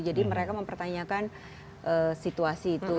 jadi mereka mempertanyakan situasi itu